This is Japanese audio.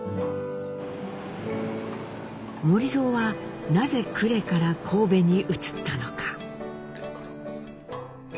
守造はなぜ呉から神戸に移ったのか？